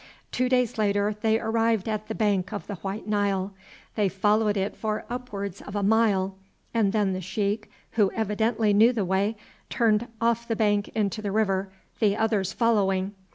Two days later they arrived at the bank of the White Nile. They followed it for upwards of a mile, and then the sheik, who evidently knew the way, turned off the bank into the river, the others following.